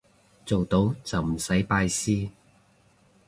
做到就唔使拜師